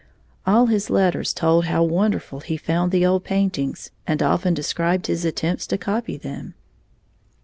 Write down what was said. All his letters told how wonderful he found the old paintings and often described his attempts to copy them.